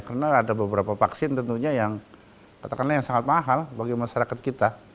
karena ada beberapa vaksin tentunya yang katakanlah yang sangat mahal bagi masyarakat kita